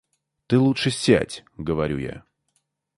Ты лучше сядь, — говорю я.